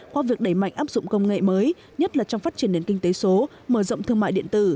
qua việc đẩy mạnh áp dụng công nghệ mới nhất là trong phát triển nền kinh tế số mở rộng thương mại điện tử